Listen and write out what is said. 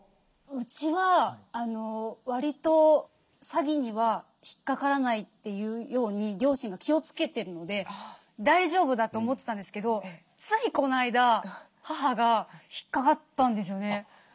うちはわりと詐欺には引っかからないというように両親が気をつけてるので大丈夫だと思ってたんですけどついこの間母が引っかかったんですよね。